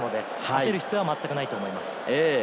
焦る必要はまったくないと思います。